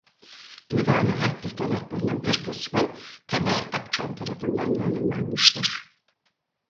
Divan-ı Harp tutanaklarının bir kısmı Taner Akçam tarafından yayımlanmıştır.